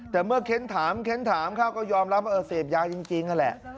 แต่เมื่อเค้นถามเค้นถามเขาก็ยอมรับว่าเสพยาจริงนั่นแหละ